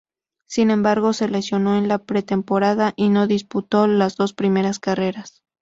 Sin embargo, se lesionó en la pretemporada y no disputó las dos primeras carreras.